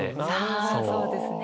あそうですね。